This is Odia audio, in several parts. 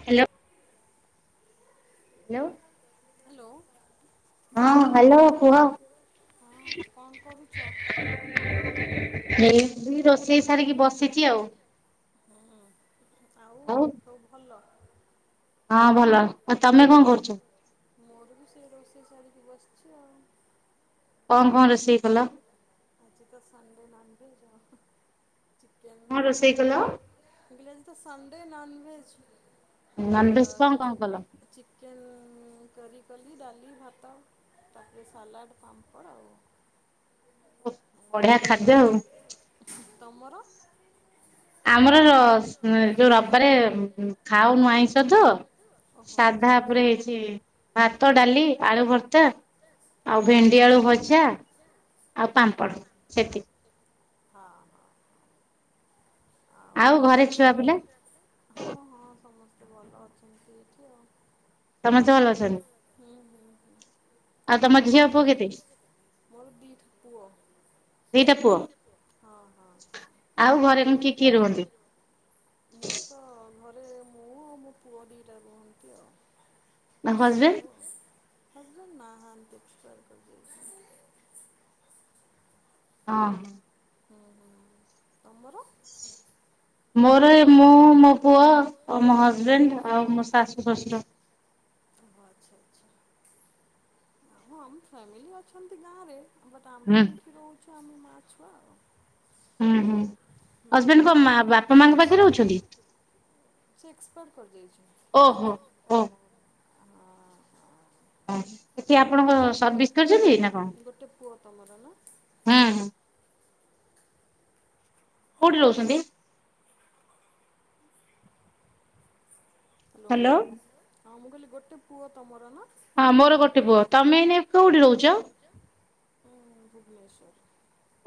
ହ୍ୟାଲୋ। ହ୍ୟାଲୋ। ହ୍ୟାଲୋ। ହଁ ହ୍ୟାଲୋ କୁହ? ଏଇଟି ରୋଷେଇ ସାରିକି ବସିଛି ଆଉ। ହୁଁ ଆଉ ସବୁ ଭଲ? ହଁ ଭଲ ଆଉ ତମେ କଣ କରୁଛ? ମୋର ବି ସେଇ ରୋଷେଇ ସାରିକି ବସିଛି ଆଉ। କଣ କଣ ରୋଷେଇ କଲ? ଆଜି ତ ସଣ୍ଡେ ନନ୍ ଭେଜ ଚିକେନ ଭାତ। ମୁଁ କହିଲି ଆଜି ତ ସଣ୍ଡେ ନନ୍ ଭେଜେ। ନନ୍ ଭେଜ୍ କଣ କଣ କଲ? ଚିକେନ୍ କରି କଲି ଡାଲି ଭାତ। ତାପରେ ସାଲାଟ୍ ପାମ୍ପଡ଼ ଆଉ। ବଢିଆ ଖାଦ୍ୟ ଆଉ। ତୁମର? ଆମର ଯୋଉ ରବିବାରେ ଖାଉନୁ ଆଇଁଷ ତ ସାଧା ଉପରେ ହେଇଛି। ଭାତ ଡାଲି ଆଳୁ ଭର୍ତା ଆଉ ଭେଣ୍ଡି ଆଳୁ ଭଜା ଆଉ ପାମ୍ପଡ଼ ସେତିକି। ହଁ। ଆଉ ଘରେ ସବୁ ଭଲ ହଁ ହଁ ସମସ୍ତେ ଭଲ ଅଛନ୍ତି ଏଠି ଆଉ। ସମସ୍ତେ ଭଲ ଅଛନ୍ତି? ହୁଁ ହୁଁ ତମେ ମୋର ଦୁଇଟା ପୁଅ। ହଁ ହଁ। ଆଉ ଘରେ କିଏ କିଏ ରୁହନ୍ତି? [inaudible] ମୁଁ ତ ଘରେ ମୁଁ ଆଉ ମୋ ପୁଅ ଦୁଇଟା ରୁହନ୍ତି ଆଉ। ରହୁ ହଜବେଣ୍ଡ ନାଁହାନ୍ତି ଏକ୍ସପାର କରିଯାଇଛନ୍ତି। ହଁ। ତମର? ମୋର ମୁଁ ମୋ ପୁଅ ଆଉ ମୋ ହଜବେଣ୍ଡ ଆଉ ମୋ ଶାଶୁ ଶଶୁର। ଆଛା। ହଁ ଆମ ଫ୍ୟାମିଲି ଅଛନ୍ତି ଗାଁରେ। ବଟ୍ ଆମେ ଏଇଠି ରହୁଛୁ ଆମେ ମା ଛୁଆ ଆଉ। ହୁଁ ହୁଁ ହଜବେଣ୍ଡ ଙ୍କ ମା ବାପା ମାଙ୍କ ପାଖରେ ରହୁଛନ୍ତି? ସେ ଏକ୍ସପାର୍ଟ କରିଯାଇଛନ୍ତି। ଓହୋ ହୋ ଓ ଏଠି ଆପଣଙ୍କ ସର୍ଭିସ୍ କରଚନ୍ତି ନା ଗୋଟେ ପୁଅ ତମର ନା? ହଁ। କୋଉଠି ରହୁଛନ୍ତି? ହାଲୋ ହଁ ମୁଁ କହିଲି ଗୋଟେ ପୁଅ ତମର ନା? ହଁ ମୋର ଗୋଟେ ପୁଅ ତମେ ଏଇନେ କୋଉଠି ରହୁଚ? ମୁଁ ଭୁବନେଶ୍ୱର।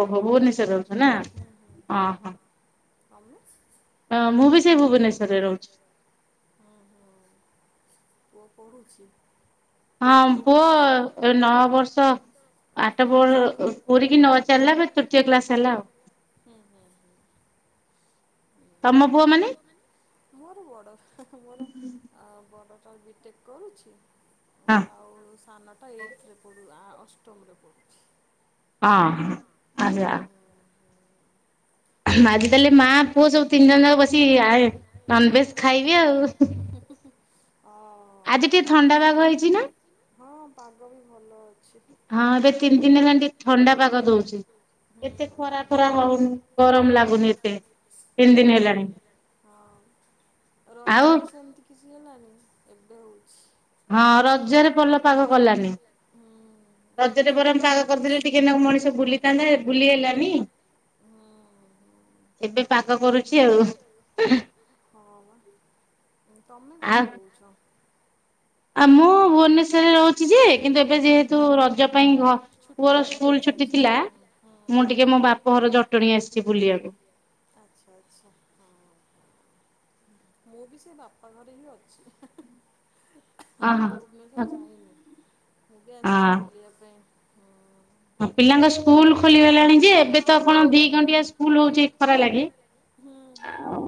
ଓହୋ ଭୁବନେଶ୍ବରରେ ଯରହୁଛ ନା ଅଁହଁ। ତମେ ସ୍ ହଁ ମୁଁ ବି ସେଇ ଭୁବନେଶ୍ୱରରେ ରହୁଚି। ପୁଅ ପଢ଼ୁଚି। ହଁ ପୁଅ ଏ ନଅ ବର୍ଷ ଆଠ ବ ଅ ପୁରୀକି ନଅ ଚାଲିକି ଏବେ ତୃତୀୟ କ୍ଲାସ ହେଲା ଆଉ। ହୁଁ ହୁଁ ହୁଁ। ତମ ପୁଅମାନେ? ମୋର ବଡ଼ ହେଁ ହେଁ ମୋର ଅ ବଡ଼ଟା ବିଟେକ୍ କରୁଛି। ଆଉ ସାନଟା ଏଇଥିରେ ପଡୁ ଆ ଅଷ୍ଟମରେ ପଡୁ ଅହଁ ଆଜ୍ଞା। ଆଜି ତାହେଲେ ମାଆ ପୁଅ ସବୁ ତିନି ଜଣ ଯାକ ବସିକି ଆଏ ନନଭେଜ ଖାଇବି ଆଉ। ଉଁହୁଁ ହୁଁ ହୁଁ। ଅ ଆଜି ଟିକେ ଥଣ୍ଡାପାଗ ହେଇଚି ନା? ହଁ ପାଗ ବି ଭଲଅଛି। ହଁ ଏବେ ତିନି ଦିନ ହେଲାଣି ଟିକେ ଥଣ୍ଡାପାଗ ଦୋଉଚି। ଏତେ ଖରାଫରା ହୋଉନି ଗରମ ଲାଗୁନି ଏତେ। ନାଆମ ହଁ ରଜରେ ସେମିତି କିଛି ହେଲାନି ଏବେ ହୋଉଛି। ହଁ ରଜରେ ପଲପାଗ କଲାନି। ରଜରେ ବରଂ ପାଗ କରିଥିଲେ ଟିକେ ନାକୁ ମଣିଷ ବୁଲିଥାନ୍ତା ବୁଲି ହେଲାନି। ହୁଁ। ଏବେ ପାଗ କରୁଚି ଆଉ। ହଁ ପା ତମେ କୋଉଠି ରହୁଚ? ଆ ମୁଁ ଭୁବନେଶ୍ୱରରେ ରହୁଚି ଯେ କିନ୍ତୁ ଏବେ ଯେହେତୁ ରଜପାଇଁ ଘ ପୁଅର ସ୍କୁଲ ଛୁଟି ଥିଲା ମୁଁ ଟିକେ ମୋ ବାପ ଘର ଜଟଣୀ ଆସଚି ବୁଲିବାକୁ। ଆଚ୍ଛା ଆଚ୍ଛା। ମୁଁ ବି ସେଇ ବାପଘରେ ହିଁ ଅଛି। ଆହା ଭୁବନେଶ୍ବର ଯାଇନି ମୁଁ ବି ଆସଚି ବୁଲିବାପାଇଁ। ହଁ ପିଲାଙ୍କ ସ୍କୁଲ ଖୋଲିଗଲାଣି ଯେ ଏବେ ତ କଣ ଦି ଘଣ୍ଟିଆ ସ୍ ସ୍କୁଲ ହୋଉଚି ଖରାଲାଗି ଆଉ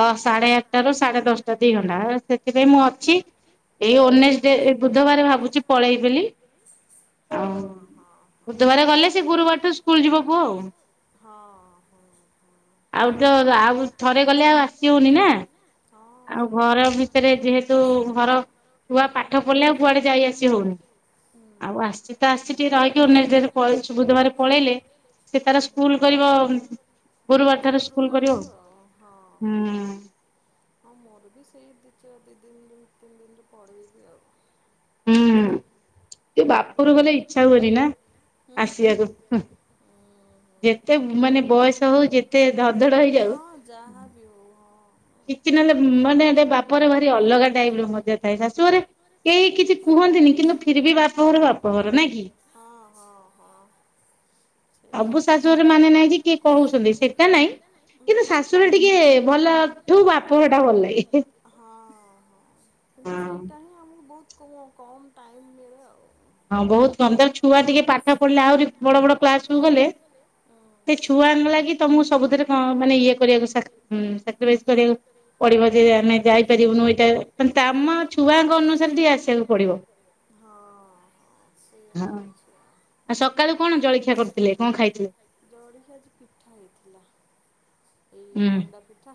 ଦ ସାଢେ ଆଠଟାରୁ ସାଢେ ଦଶଟା ଦିଘଣ୍ଟା ହେରା ସେଥିପାଇଁ ମୁଁ ଅଛି। ଏଇ ୱେନେସ୍ ଡେ ଏଇ ବୁଧବାରେ ଭାବୁଚି ପଳେଇବି ବୋଲି। ହଁ। ବୁଧୁବାରେ ଗଲେ ସିଏ ଗୁରୁବାରଠୁ ସ୍କୁଲ ଯିବ ପୁଅ ଆଉ। ହଁହଁ। ଆଉ ତ ଆଉ ଥରେ ଗଲେ ଆଉ ଆସି ହୋଉନି ନା। ଆଉ ଘର ଭିତରେ ଯେହେତୁ ଘର। ଛୁଆ ପାଠ ପଢିଲେ ଆଉ କୁଆଡେ ଯାଇଆସି ହୋଉନି ଆଉ ଆସଚି ତ ଆସଚି ଟିକେ ରହିି ଓନେରେ ଯେହେତୁ ପଳେଇଚି ବୁଧବାରେ ପଳେଇଲେ। ସେ ତାର ସ୍କୁଲ କରିବ ଗୁରୁବାର ଠାରୁ ସ୍କୁଲ୍ କରିବ ଆଉ ହଁ ହଁ। ଅ ବି ସେଇ ଦି ଚା ଦି ଦିନ୍ ତିନ୍ ଦିନର ରୁ ପଡ଼େଇବି ଆଉ। ହୁଁ ତୁ ବାପୁରୁ ଗଲେ ଇଚ୍ଛା ହୁଏନି ନା ଆସିବାକୁ। ଯେତେ ମାନେ ବୟସ ହୋଉ ଯେତେ ଧଧଡ ହେଇଯାଉ। ହଁ ଯାହା ବି ହୋଉ ହଁ। କିଛି ନହେଲେ ମାନେ ହେଟି ବାପରେ ଭାରି ଅଲଗା ଟାଇପ୍ ର ମଜା ଥାଏ ଶାଶୁଘରେ କେହି କିଛି କୁହନ୍ତିନି କିନ୍ତୁ ଫିର୍ ବି ବାପଘର ବାପଘର ନାଇ କି? ହଁ ହଁ ହଁ‌। ସବୁ ଶାଶୁରେ ମାନେ ନାଇଁ ଯେ କିଏ କୋହୁଛନ୍ତି ସେଟା ନାଇଁ। କିନ୍ତୁ ଶାଶୁରୁ ଟିକେ ଭଲଠୁ ବାପଘର୍ ଟା ଭଲ୍ ଲାଗେ। ହଁ ହଁ କିନ୍ତୁ ସେଇଟା ହିଁ ଆମୁକୁ ବହୁତ କମ୍ ଟାଇମ୍ ମିଳେ ଆଉ। ହଁ ବୋହୁତ୍ କନ୍ଦ ଛୁଆ ଟିକେ ପାଠ ପଢିଲେ ଆହୁରି ବଡ ବଡ କ୍ଲାସ୍ କୁ ଗଲେ ସେ ଛୁଆଙ୍କ ଲାଗି ତମକୁ ସବୁଥିରେ ମାନେ ଇଏ କରିବାକୁ ସା ହୁଁ ସାକ୍ରିଫାଇସ୍ କରିବାକୁ ପଡିବ ଯେ ଆମେ ଯାଇପାରିବୁନୁ ଏଇଟାେ ତମ ଛୁଆଙ୍କ ଅନୁସାରେ ଟିକେ ଆସିବାକୁ ପଡିବ। ହଁଅଁ। ହଁ ଆଉ ସକାଳୁ କଣ ଜଳଖିଆ କରୁଥିଲେ କଁ ଖାଇଥି ପଡିକି ଆଜି ପିଠା ହେଇଥିଲା। ମଣ୍ଡା ପିଠା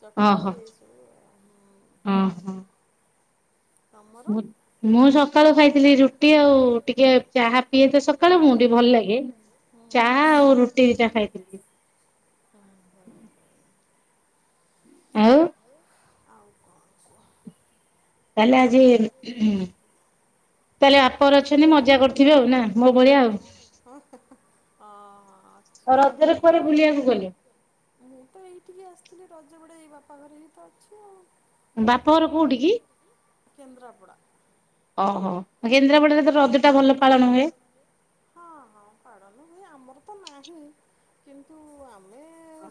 ଚକୁଡି ଏଇ ସବୁ ଆଉ। ଉଁ ହୁଁ। ମୁଁ ସକାଳୁ ଖାଇଥିଲି ରୁଟି ଆଉ ଟିକେ ଚାହା। ଇଏତ ସକାଳୁ ମୁଡ ଭଲ୍ ଲାଗେ ଚାହା ଆଉ ରୁଟି ଦିଟା ଖାଇଥିଲି। ଆଉ। ଆଉ କଁ କୁହ? ତାହେଲେ ଆଜି ତାହେଲେ ଆପରେ ଅଛନ୍ତି ମଜା କରୁଥିବେ ଆଉ ନା ମୋ ଭୋଳିଆ ଆଉ। ହଁ। ଆଉ ରଜରେ କୁଆଡେ ବୁଲିବାକୁ ଗଲେ? ଏଇଠିକେ ଆସିଥିଲେ ରଜ ବଡ଼େ ଏଇ ବାପା ଘରେ ହିଁ ତ ଅଛି ଆଉ। ବାପ ଘର କୋଉଠି କି? କେନ୍ଦ୍ରାପଡ଼ା। ଓହୋ କେନ୍ଦ୍ରାପଡ଼ରେ ତ ରଜ ଟା ଭଲ ପାଳନ ହୁଏ। ହଁ ହଁ ପାଳନ ହୁଏ ଆମର ତ ନାହିଁ। କିନ୍ତୁ ଆମେ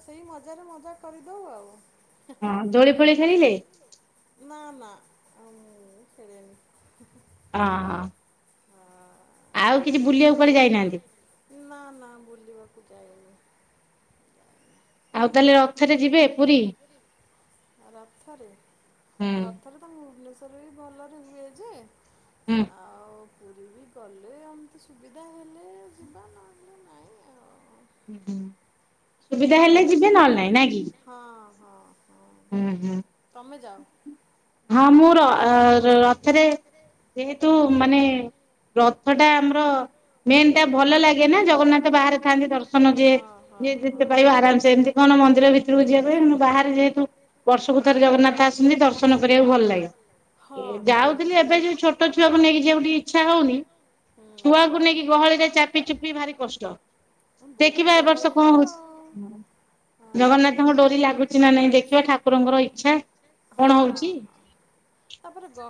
ସେଇ ମଜାରେ ମଜା କରିଦୋଉ ଆଉ। ହଁ ଦୋଳି ଫୋଳି ଖେଳିଲେ? ନା ନା ମୁଁ ଖେଳିଛି। ଅହଁ। ଆଉ କିଛି ବୁଲିବାକୁ କୁଆଡେ ଯାଇନାହାନ୍ତି? ନା ନା ବୁଲିବାକୁ ଯାଇନି। ଆଉ ତାହେଲେ ରଥରେ ଯିବେ ପୁରୀ? ରଥରେ, ରଥରେ ତ ଭୁବନେଶ୍ୱର ରେ ବି ଭଲରେ ହୁଏ ଯେ ଆଉ ପୁରୀ ବି ଗଲେ ଏମ୍ତି ସୁବିଧା ହେଲେ ଯିବା ନହେଲେ ନାଇଁ ଆଉ। ହୁଁ ସୁବିଧା ହେଲେ ଯିବେ ନହେଲେ ନାହିଁ ନାକି? ହଁ ହଁ ହଁ। ହୁଁ ହୁଁ। ତମେ ଯାଅ। ହଁ ମୁଁ ର ରଥରେ ଯେହେତୁ ମାନେ ରଥ ଟା ଆମର ମେନ୍ ଟା ଭଲ ଲାଗେ ନା ଜଗନ୍ନାଥ ବାହାରେ ଥାନ୍ତି ଦର୍ଶନ ଯେହେ ଯିଏ ଯେତେ ପାଇିବ ଆରାମ୍ ସେ ଏମ୍ ତି କଣ ମନ୍ଦିର ଭିତରକୁ ଯିବା ପାଇଁ ବାହାରେ ଯେହେତୁ ବର୍ଷକୁ ଥରେ ଜଗନ୍ନାଥ ଆସନ୍ତି ଦର୍ଶନ କରିବାକୁ ଭଲ ଲାଗେ। ଯାଉଥିଲି ଏବେ ଯେ ଛୋ ଛୋଟ ଛୁଆକୁ ନେଇକି ଯିବାକୁ ଟିକେ ଇଚ୍ଛା ହଉନି। ଛୁଆକୁ ନେଇକି ଗହଳିରେ ଚାପି ଚୁପି ଭାରି କଷ୍ଟ। ଦେଖିବା ଏ ବର୍ଷ କଣ ହଉଚି। ଜଗନ୍ନାଥଙ୍କ ଡୋରି ଲାଗୁଚି ନା ନାଇଁ। ଦେଖିବା ଠାକୁରଙ୍କର ଇଚ୍ଛା। କଣ ହଉଚି।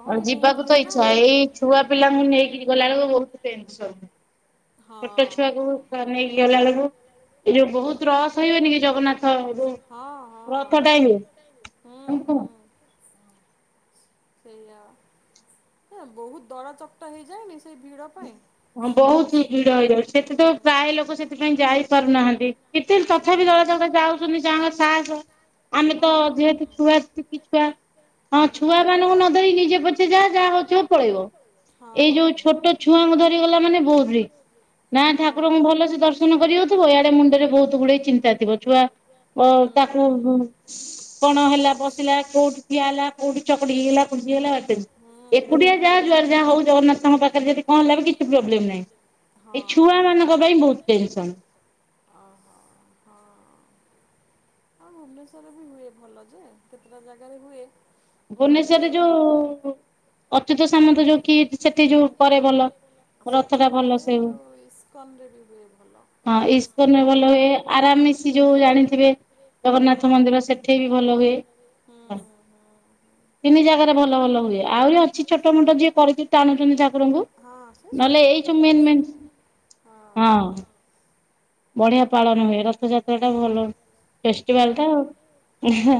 ଆ ଯିବାକୁ ତ ଇଚ୍ଛା। ଏଇ ଛୁଆ ପିଲାଙ୍କୁ ନେଇକି ଗଲାବେଳକୁ ବହୁତ ଟେନସନ। ଛୋଟ ଛୁଆକୁ ନେଇକି ଗଲା ବେଳକୁ ଏଇ ଯୋଉ ବହୁତ ରସ ହେଇଯାଉନି କି ଜଗନ୍ନାଥ। [unintelligible] ସେଇଆ। ହେ ବହୁତ ଦଳା ଚକଟା ହେଇଯାଏନି ସେଇ ଭିଡ଼ ପାଇଁ। ହଁ ବହୁତ ଭିଡ ହେଇଯାଉଚି। ସେଠି ତ ପ୍ରାୟ ଲୋକ ସେଥିପାଇଁ ଯାଇପାରୁନାହାନ୍ତି। କେତେ ତଥାପି ଦଳା ଚକଟା ଯାଉଛନ୍ତି ଯାହର ସାହସ। ଆମେ ତ ଯେହେତୁ ଛୁଆ ଟିକି ଛୁଆ ହଁ ଛୁଆ ମାନଙ୍କୁ ନ ଧରି ନିଜେ ପଛେ ଯା ଯାହା ହଉଚି ହଉ ପଳେଇବ। ହଁ। ଛୋଟ ଛୁଆଙ୍କୁ ଧରିକି ଗଲା ମାନେ ବହୁତ ରିସ୍କ। ନା ଠାକୁରଙ୍କୁ ଭଲ ସେ ଦର୍ଶନ କରିହଉଥିବ ଇଆଡେ ମୁଣ୍ଡରେ ବହୁତ ଗୁଡେ ଚିନ୍ତା ଥିବ ଛୁଆ ଅ ତାକୁ କଣ ହେଲା ବସିଲା କୋଉଠି ଠିଆ ହେଲା କୋଉଠି ଚକଡି ହେଇଗଲା ପଡିଗଲା। [unintelligible] ଏକୁଟିଆ ଯାହା ଯୁଆର ଯାହା ହଉ ଜଗନ୍ନାଥ ତାଙ୍କ ପାଖରେ ଯଦି କଣ ହେଲା ବି କିଛି ପ୍ରୋବ୍ଲେମ ନାହିଁ। ଏଇ ଛୁଆ ମାନଙ୍କ ପାଇଁ ବହୁତ ଟେନସନ୍। ଅ ହ। ଭୁବନେଶ୍ୱର ରେ ବି ହୁଏ ଭଲ ଯେ କେତେଟା ଜାଗାରେ ହୁଏ। ଭୁବନେଶରେ ଯୋଉ ଅଚ୍ୟୁତ ସାମନ୍ତ ଯୋଉ କିଟ ସେଠି ଯୋଉ କରେ ଭଲ। ଆଉ ସେଠି ବି ହୁଏ ଯୋଉ ଇସ୍କନ ରେ ବି ହୁଏ ଭଲ। ହଁ ଇସ୍କନ ରେ ଭଲ ହୁଏ। ଆରାମ ଯୋଉ ଜାଣିଥିବେ ଜଗନ୍ନାଥ ମନ୍ଦିର ସେଠି ବି ଭଲ ହୁଏ। ତିନି ଜାଗାରେ ଭଲ ଭଲ ହୁଏ। ଆହୁରି ଅଛି ଛୋଟ ମୋଟ ଯିଏ କରି ଟାଣୁଛନ୍ତି ଠାକୁରଙ୍କୁ। ନହେଲେ ଏଇ ସବୁ ମେନ୍ ମେନ୍ ହଁ। ବଢିଆ ପାଳନ ହୁଏ। ରଥଯାତ୍ରା ଟା ଭଲ ଫେଷ୍ଟିଭାଲ ଟା।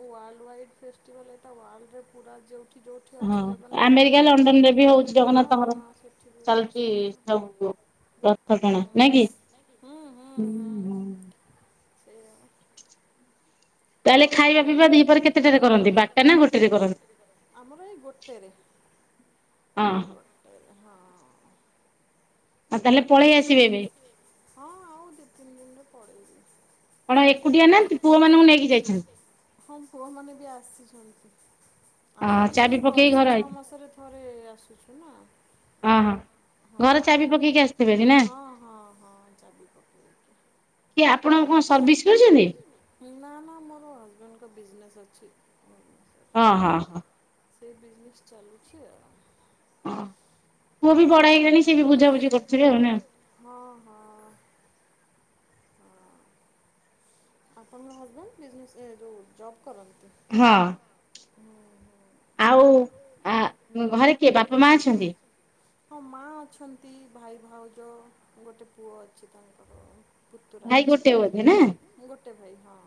ୱାର୍ଲଡ ୱାଇଡ ଫେଷ୍ଟିଭାଲ ଏଇଟା ୱାର୍ଲଡରେ ପୁରା ଯେଉ ଯୋଉଠି ଅଛି ଜଗନ୍ନାଥ ମନ୍ଦିର ପୁରା ହଁ ହଁ ସେଠି ବି ହଉଚି। [unintelligible] ରଥ ଟଣା ନାହିଁ କି। [unintelligible] ତାହେଲେ ଖାଇବା ପିଇବା ଦିହିି ପରେ କେତେଟାରେ କରନ୍ତି ବାରଟା ନା ଗୋଟେରେ କରନ୍ତି। ଆମର ଏଇ ଗୋଟେରେ। ହଁ। ହଁ। ଆଉ ତାହେଲେ ପଳେଇ ଆସିବେ ଏବେ? ହଁ ଆଉ ଦି ତିନି ଦିନି। ପଳେଇବି। କଣ ଏକୁଟିଆ ନାହାନ୍ତି ପୁଅ ମାନଙ୍କୁ ନେଇକି ଯାଇଛନ୍ତି? ହଁ ପୁଅମାନେ ବି ଆସିଛନ୍ତି। ଆମେ ବି ସେଇ ବର୍ଷେ ଛଅ ମାସରେ ଥରେ ଆସୁଚୁ ନା। ହଁ ହଁ ହଁ ହଁ ଚାବି ପକେଇ କିଏ ଆପଣ କଣ ସର୍ଭିସ୍ କରିଛନ୍ତି? ନା ନା ମୋର ହଜବେଣ୍ଡଙ୍କ ବିଜନେସ୍ ଅଛି। ହଁ ହଁ ହଁ। ସେ ବିଜନେସ ଚାଲୁଚି ଆଉ। ପୁଅ ବି ବଡ ହେଇଗଲାଣି ସେ ବି ବୁଝାବୁଝି କରୁଥିବେ ଆଉ ନା। ହଁ ହଁ। ଆପଣଙ୍କ ହଜବେଣ୍ଡ ବିଜନେସ୍ ଏ ଯୋଉଁ ଜବ୍ କରନ୍ତି। ହଁ। ଆଉ ଆ ଘରେ କିଏ ବାପା ମା ଅଛନ୍ତି? ମା ଅଛନ୍ତି, ଭାଇ ଭାଉଜ, ଗୋଟେ ପୁଅ ଅଛି ତାଙ୍କର। ପୁତୁରା ଅଛି। ଗୋଟେ ଭାଇ ହଁ।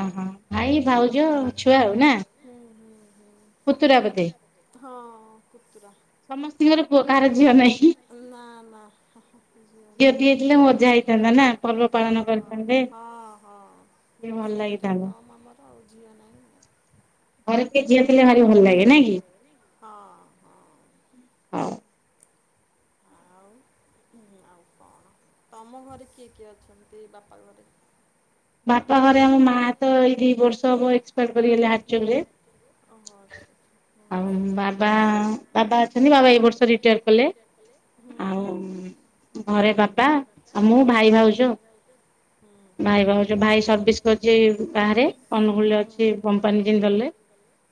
ହଁ ହଁ ଭାଇ ଭାଉଜ ଛୁଆ ଆଉ ନା। ହୁଁ ହୁଁ ହୁଁ ହଁ ପୁତୁରା। ସମସ୍ତଙ୍କର ପୁଅ କାହାର ଝିଅ ନାହିଁ। ନା ନା। ଝିଅଟି ହେଇଥିଲେ ମଜା ହେଇଥାନ୍ତା ନା ପର୍ବ ପାଳନ କରିଥାନ୍ତେ। ହଁ ସେଇଟା କମ୍ ଆମର ଆଉ ଝିଅ ନାହିଁ ଆଉ। ଘରେ କିଏ ଝିଅ ଥିଲେ ଭାରି ଭଲ ଲାଗେ ନାଇଁ କି? ହଁ। ହଉ। ଆଉ। ହୁଁ ଆଉ କଣ? ତମ ଘରେ କିଏ କିଏ ଅଛନ୍ତି ବାପା ଘରେ? ବାପା ଘରେ ଆମ ମା ତ ଏଇ ଦି ବର୍ଷ ହବ ଏକ୍ସପାଇଡ଼ କରିଗଲେ ହାର୍ଟ ଚକ ରେ। ଆଉ ବାବା ବାବା ଅଛନ୍ତି ବାବା ଏଇ ବର୍ଷ ରିଟାୟାର କଲେ। ଆଉ ଘରେ ବାପା ଆଉ ମୁଁ ଭାଇ ଭାଉଯ। ହୁଁ। ଭାଇ ଭାଉଜ, ଭାଇ ସର୍ଭିସ୍ କରିଛି ବାହାରେ ଅନୁଗୁଳୁ ରେ ଅଛି କମ୍ପାନୀ ଜିନ୍ଦଲରେ।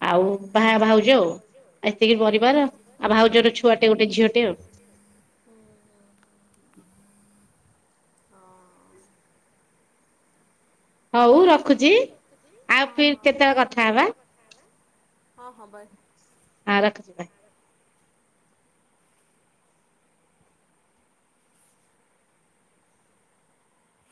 ଆଉ ଭା ଭାଉଜ ଆଉ ଏତିକି ପରିବାର ଆଉ ଭାଉଜର ଛୁଆଟେ ଗୋଟେ ଝିଅଟେ ଆଉ। ହଉ ରଖୁଛି ଆଉ ଫିର କେତେବେଳେ କଥା ହେବା। ହଁ ହବା। ହଁ ରଖୁଛି ବାଏ।